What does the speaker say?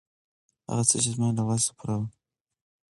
هغه څه، چې زما له وس پوره وي.